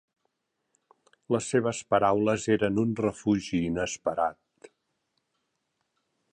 Les seves paraules eren un refugi inesperat.